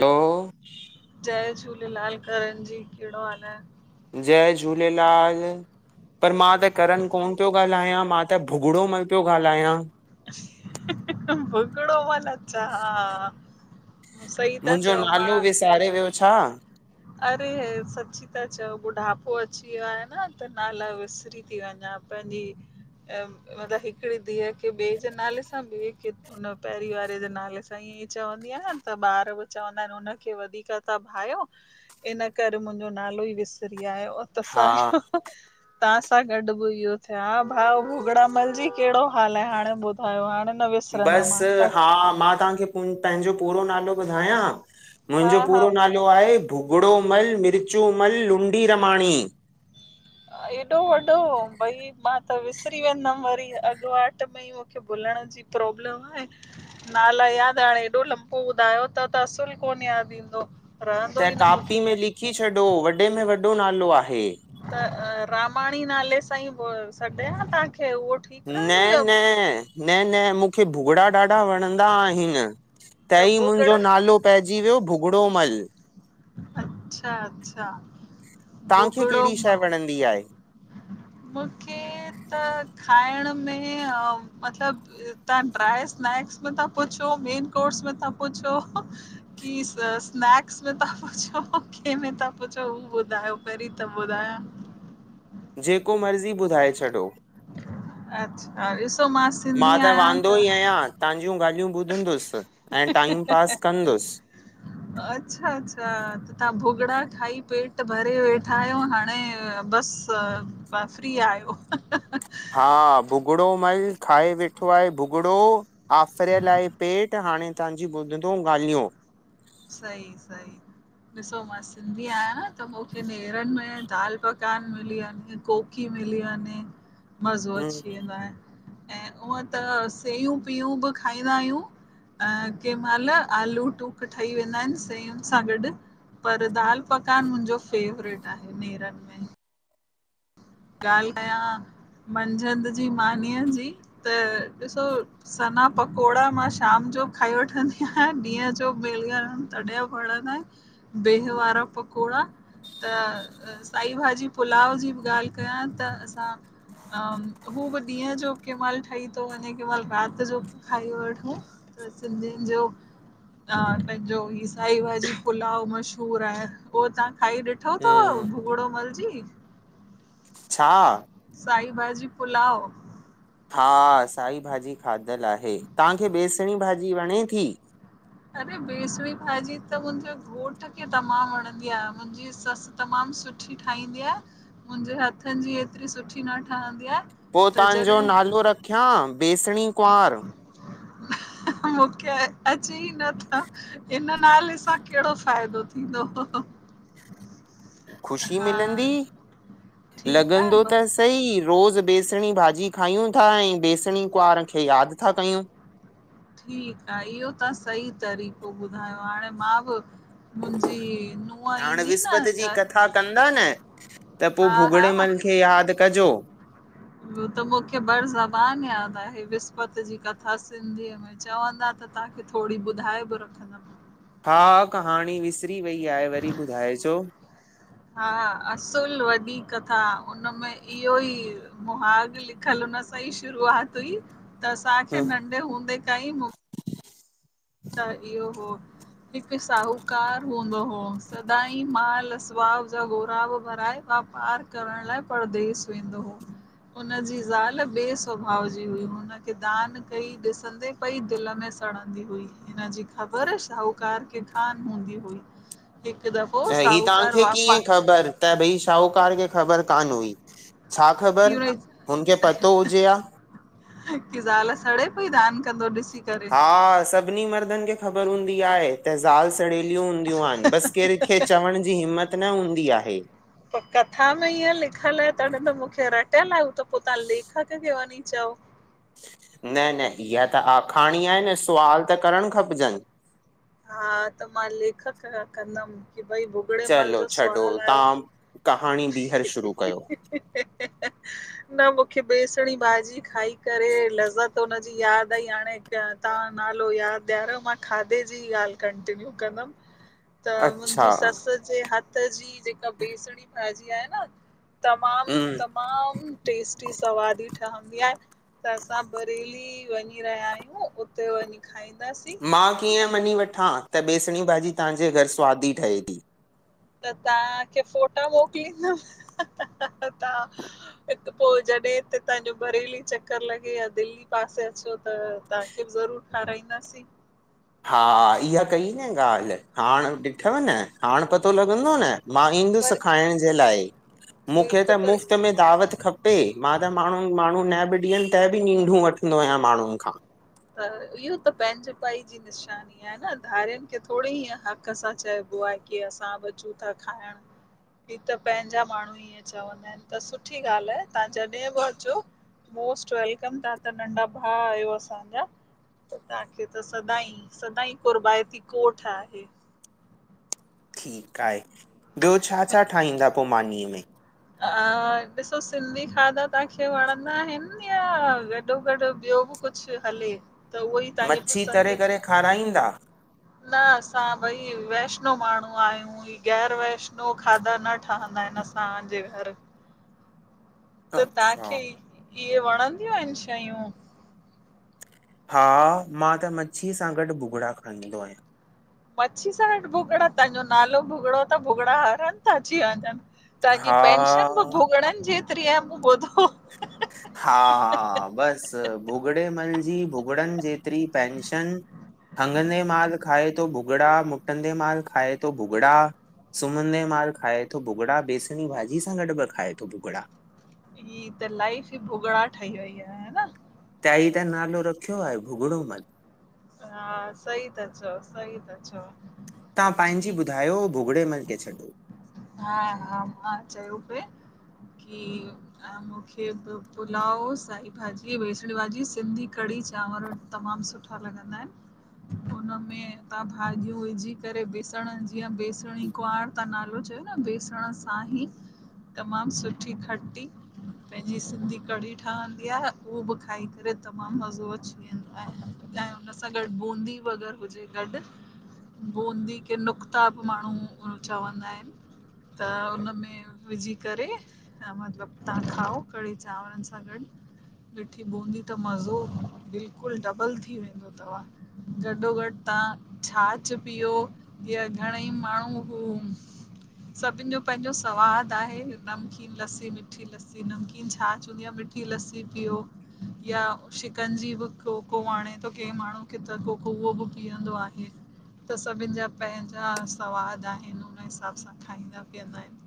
लो जय झूलेलाल करन जी कहिड़ो हाल आए? जय झूलेलाल पर मां त करन कोन पयो ॻाल्हायां मां त भुॻिड़ो मल पियो ॻाल्हायां। भुगड़ो मल अच्छा हा। सही था मुंजो चओ नालो मां विसारे वियो छा? अरे सची ता चओ ॿुढापो अची वियो आहे न त नाला विसरी त वञा। [unintelligible] अ मतलब हिकिड़ी धीउ के ॿिए जे नाले सां ॿिए हुन पहिरी वारारे जे नाले सां ई ई चवंदी आयान त ॿार उहे चवंदा आहिनि हुन खे वधीक ता भायो इन करे मुंहिंजो नालो ई विसरी आयो त हा। स तव्हांसां गॾु बि इहो थिया हा भाऊ भुगड़ा मल जी कहिड़ो हाल आहे हाणे ॿुधायो हाणे न बस विसरंदमि हाणे तव्हां हा मां तव्हांखे प पंहिंजो पूरो नालो ॿुधायां। हा मुंहिंजो हा पूरो नालो आहे भुॻड़ो म, मिर्चो मल, लुंडी रमाणी। एॾो वॾो भई मां त विसरी वेंदमि वरी। अॻ वाट में ही मूखे भुलण जी प्रोब्लेम आहे नालो याद हाणो हेॾो लंबो ॿुधायो त, त असुल कोन याद ईंदो रहंदो त ई न कापी मूंखे में लिखी छॾो, वॾे में वॾो नालो आहे। रामाणी नाले सां ई पो सॾियां तव्हां खे? न न न न मूंखे भुॻिड़ा ॾाढा वणंदा आहिनि। त तही मुंहिंजो भुॻड़ा नालो पइजी वियो भुॻड़ो मल। अच्छा अच्छा। तव्हांखे भुॻड़ो कहिड़ी शइ मां वणंदी आहे? मूंखे त खाइण में मतलब तव्हां ड्राए स्नैक्स में था पुछो मेन कोर्स में ता पुछो की स्नैक्स में था पुछो कहिमे तां पुछो हू ॿुधायो पहिरीं त ॿुधाया। जेको मर्ज़ी ॿुधाए छॾो। अच्छा, ॾिसो मां मा सिंधी त आहियां वांदो ही आहियां तव्हांजूं ॻाल्हियूं ॿुधंदुसि ऐं, टाइम पास कंदुसि। अच्छा अच्छा त तव्हां भुॻड़ा खाई पेट भरे वेठा आहियो हाणे बस फ्री आहियो। हा भुॻड़ो मल खाए वेठो आहे भुॻड़ो आफ्रियल आहे पेट। हाणे तव्हांजी ॿुधंदो ॻाल्हियूं। सई सई ॾिसो मां सिंधी आहियां त मूंखे नेरनि में दाल पकवान मिली वञे, कोकी मिली वञे मज़ो हूं अची वेंदो आहे। ऐं उअ त सेयूं पिययूं बि खाईंदा आहियूं। अ कंहिं महिल आलू टूक ठही वेंदा आहिनि सयुनि सां गॾु पर दाल। पकवान मुंहिंजो फेवरेट आहे नेरनि में ॻाल्ह कयां मंझंदि जी मानीअ जी त ॾिसो सना पकोड़ा मां शाम जो खाई वठंदी आहिया ॾींहं जो मिलन तॾ वणंदा आहिन भीह वारा पकोड़ा पकोड़ा त साई भाॼी पुलाव जी बि ॻाल्हि कयां त असां अम हू भी ॾींहं जो केमल ठही थो वञे केमल रात जो खाई वठु। त सिंधियुनि जो त पंहिंजो ई साई भाॾी पुलाव मशहूर आहे उह तव्हां खाई ॾिठो तव हूं भुॻड़ो मल जी? छा? साई भाॼी पुलाव हा साई भाॼी खाधलु आहे तव्हांखे बेसणी भाॼी वणे थी अरे बेसणी भाॼी त मुंहिंजे घोट खे तमामु वणंदी आहे। मुंहिंजी ससु तमामु सुठी ठाहिंदी आ, मुहिंजे हथनि जी एतरी सुठी न ठहंदी आहे पो त तव्हांजो जॾहिं नालो रखियां बेसणी कुंआर? मूंखे अचे ई नथा इन नाले सां कहिड़ो फ़ाइदो थींदो हो ख़ुशी मिलंदी, ठीकु आहे लॻंदो ब त सही रोज बेसणी भाॼी खायूं था ऐं बेसणी कुवारं खे यादि था कयूं ठीकु आहे इहो तां सही तरीक़ो ॿुधायो आ हाणे मा बि मुंहिंजी नूंहं हाणे ईंदी न विस्पति जी त कथा कंदा न त पो हा भुॻड़े मल खे यादि कजो हुअ त मूंखे बड़ ज़बान यादि आहे विस्पति जी कथा सिंधीअ में चवंदा त त तव्हांखे थोड़ी ॿुधाए बि रखंदमि हा कहाणी विसरी वई आहे वरी ॿुधाइजो हा असुल वॾी कथा उनमें इहो ई मुहाॻ लिखलु हुन सां ई शुरुआत हुई त असांखे नंढे हूंदे खां ई मु हिकु साहूकार हूंदो हो सदाईं माल सुआव जा गोराबि भराए वापार करण लाइ परदेस वेंदो हो हुन जी ज़ाल ॿे स्वभाव जी हुई हुनखे दान कई ॾिसंदे पई दिलि में सड़ंदी हुई, हिन जी ख़बर शाहूकार खे कान हूंदी हुई हिकु दफ़ो त ही साहूकार तव्हांखे वापा कीअं ख़बर त भई शाहूकार खे ख़बर कान हुई, छा की ख़बर हुनजी हुनखे पतो हुजे आ की ज़ाल सड़े पई दान कंदो ॾिस हा सभिनी मर्दनि खे ख़बर हूंदी आहे त ज़ाल सड़ेलियूं हूंदियूं आहिनि बसि केंखे चवण जी हिम्मत न हूंदी आहे कथा में ईंअं लिखियल आहे तॾहिं त मूंखे रटियल आहे हू त पो तव्हां लेखक खे वञी चओ न, न इहा त आखाणी आहे न सुवाल त करणु खपजनि हा, त मां लेखक ख कंदमि की भई भुॻड़े मल चलो जो छॾो सुवाल आयो आ तव्हां कहाणी बीहर शुरू कयो न मूंखे बेसणी भाॼी खाई करे लज़त हुनजी यादि आई हाणे तव्हां नालो यादि ॾियारो मां खाधे जी ॻाल्ह कन्टीनियू कंदमि त अच्छा मुंहिंजी ससु जे हथ जी जेका बेसणी भाॼी आहे न तमामु, हम्म तमामु टेस्टी सवादी ठहंदी आहे त असां बरेली वञी रहिया आहियूं उते वञी खाईं दासी ईंअं मञी वठां त बेसणी भाॼी तव्हांजे घर सुवादी ठहे थी त तव्हांखे फोटा मोकिलींदम हा हा हा हा तव्हां हिकु पो जड़े त तव्हां जो बरेली चक्कर लॻे या दिल्ली पासे अचो त तव्हांखे बि ज़रूर खारंइदम असीं हा इहा कई न ॻाल्हि, हाण ॾिठव न, हाण पतो लॻंदो न मां ईंदुस पर खाइण जे लाइ मूंखे त बिल्कुलु पर मुफ़्त में दावत खपे मा त माण्हून, माण्हू न बि ॾींहनि त बि नींढूं वठंदो आहियां माण्हुनि खां त इहो त पंहिंजे पाई जी निशानी आहे न, धारियुनि खे थोड़े ई ईंए हक़ सां चए बो आहे की असां बि अचूं था खायण ही त पंहिंजा माण्हू ईंअं चवंदा आहिनि त सुठी ॻाल्हि आहे तव्हां जॾहिं बि अचो मोस्ट वेलकम तव्हां त नंढा भा आहियो असां तव्हां जा त तांखे त सदाईं, सदाईं कुर्बायती कोठ आहे [inaudible] ठीकु आहे, ॿियो छा, छा ठाहींदा पो मानीअ में ॾिसो सिंधी खाधा तव्हांखे वणंदा आहिनि या गॾो-गॾु ॿियो बि कुझु हले त उहो ई तांजी मच्छी तरे पसंदि, करे खाराईंदा न असां भई वैस वैषनो माण्हू आहियूं ही गैर वैषनू खाधा न ठहंदा आहिनि असांजे घर त अच्छा तव्हांखे ही इहे वणंदियूं आहिनि शयूं हा, मां त मच्छी सां गॾु भुॻिड़ा खाईंदो आहियां मच्छी सां गॾु भुॻिड़ा, तव्हांजो नालो भुॻिड़ो त भुॻिड़ा हर हंद था अची वञनि तव्हांजी हा पेंशन बि भुॻणनि जेतिरी आहे मूं ॿुधो हा, बस भुॻड़े मल जी भुॻड़नि जेतिरी पेंशन हंघंदे माल खाए थो भुॻड़ा, मुटंदे माल खाए थो भुॻड़ा सुम्हंदे माल खाए थो भुॻिड़ा बेसणी भाॼी सां गॾु बि खाए थो भुॻिड़ा ही त लाइफ़ ई भुॻड़ा ठही वई आ ह ना त ही त नालो रखियो आहे भुॻड़ो मल हा, सही ता चओ, सही ता चओ तां पंहिंजी ठीकु ॿुधायो भुॻड़े मल खे छॾो हा, हा मां चयो पे की अं मूंखे बि पुलाव, साईभाॼी, बेसणी भाॼी, सिंधी कढ़ी की चांवर तमाम सुठा लॻंदा आहिंन उनमें तां भाॼियूं विझी करे बेसण जी या बेसणी गुवांर तां नालो चयो न बेसण सां ही तमाम सुठी खट्टी पहिंजी सिंधी कढ़ी ठहंदी आह, उहो बि खाई करे तमाम मज़ो अची वेंदो आहे। तां हुन सां गॾ बूंदी वग़ैरह हुजे गॾ बूंदी खे नुक़्ता बि माण्हू चवंदा आहिनि त उन में विझी करे, मतिलब तां खाओ कढ़ी चांवरनि सां गॾ मिठी बूंदी त मज़ो, बिल्कुल डबल थी वेंदो तवां, गॾो-गॾ तां छाछ पीयो जीअं घणेई माण्हू हू सभिन जो पंहिंजो सवादु आहे नमकीन लस्सी, मिठी लस्सी, नमकीन छाछ हूंदी आ मिठी लस्सी पियो या शिकंजी बि को, को आणे थो त के माण्हू खे त को, को उहो बि पीयंदो आहे त सभिन जा पंहिंजा सवादु आहिनि उन हिसाब सां खाईंदा-पीयंदा आहिंन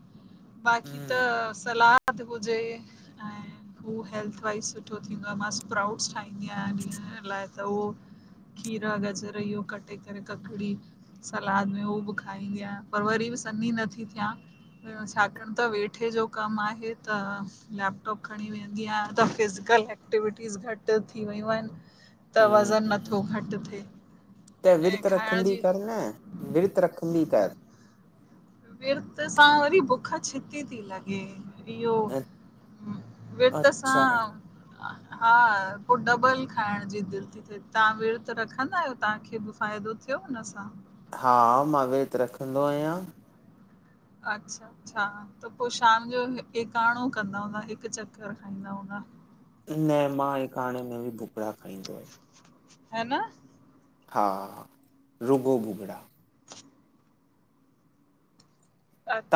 बाक़ी त हम्म सलाद हुजे ऐं हु हेल्थ वाइस सुठो थींदो आ मां स्प्राउट्स ठाहिंदी ठाहिदी आयां इन लाइ त हू खीरा, गजर इहो कटे करे ककड़ी सलाद में हू बि खाईंदी आहियां पर वरी सनी नथी थियां छाकाणि त वेठे जो कमु आहे त लैपटॉप खणी विहंदी आहियां त अजकल एक्टिविटीज़ घटि थी वयूं आहिनि त वज़न हम्म नथो घटि थे त विर्त रखंदी कर न, विर्त रखंदी कर विर्त सां वरी भुख छित्ती थी लॻे इहो अ- विर्त सां अच्छा हा पो डबल खाइण जी दिलि थी थे, तव्हां विर्त रखंदा आहियो तव्हांखे बि फ़ायदो थियो हुन सां हा, मां विर्त रखंदो आहियां अच्छा अच्छा, त पो शाम जो एकाणो कंदा हूंदा, हिकु चकर खाईंदा हूंदा न मां एकाणे में बि भुॻड़ा खाईंदो आहियां है ना हा रुॻो भुॻड़ा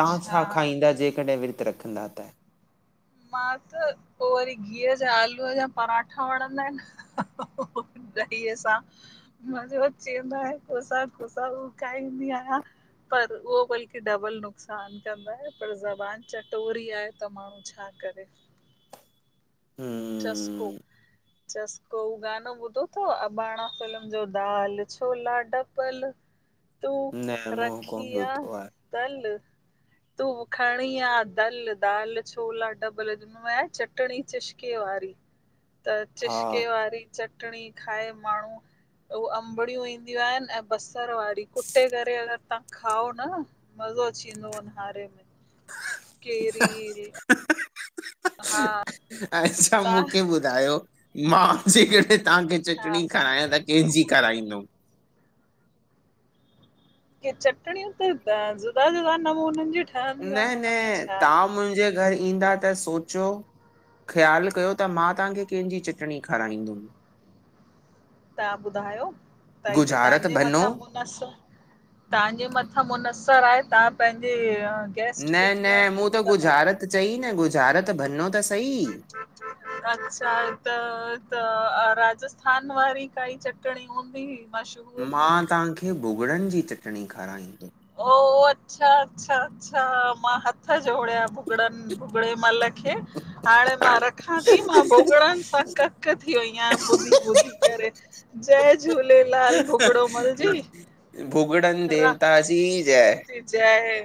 तां छा खाईंदा, जेकॾहिं विर्तु रखंदा त मां त पो वरी घीअ जा आलूअ जा परांठा वणंदा आहिनि, ॾहीअ सां मज़ो अची वेंदो आहे कोसा, कोसा हू खाईंदी आहियां पर उहो बल्कि डबल नुक़सान कंदो आहे, पर ज़बान चटोरी आहे त माण्हू छा कॾहिं चस्को हम्म चस्को, हु गानो ॿुधो अथव अबाणा फ़िल्म जो दाल छोला ढबल तू न मूं रखी कोन आ ॿुधो आहे सल तू खणी आ दल, दाल छोला ढबल, जहिं में आहे चटणी चश के वारी त हा चशके वारी चटणी खाए माण्हू ओ अंबड़ियूं ईंदियूं आहिनि ऐं बसर वारी, कुटे करे अगर तव्हां खाओ न, मस्त मज़ो अची वेंदो आ उन्हारे में, केरी हा अच्छा तव्हां मूंखे ॿुधायो मां सी तव्हांखे हा चटणी खारायां त कंहिंजी खाराईंदुमि की चटणियूं त ज़ुदा ज़ुदा नमूननि जी ठहंदियूं न, आहिनि न हुनमें छा आहे तव्हां मुंहिंजे घर ईंदा त सोचियो ख़्यालु कयो त मां तव्हांखे कंहिंजी चटणी खाराईंदुमि तव्हां ॿुधायो त ही त गुज़ारत तव्हांजे भनो मथां मुनस तव्हांजे मथां मुनस त आहे तव्हां पंहिंजी न, न मूं त गुझारत चई न गुझारत भञो अच्छा त, त अरा राजस्थान वारी काई चटणी हूंदी मशहूर मा तव्हांखे भुॻड़नि जी चटणी खाराईंदुमि ओ अच्छा, अच्छा, अच्छा मा हथ जोड़िया भुॻडन, भुॻडे मल खे हाणे मा रखां थी मा भोगड़नि सां कक कक थी वयी आहियां ॿुधी, ॿुधी करे जय झूले लेलाल भुगड़ो मलजी भूॻड़नि देवता जी जय जय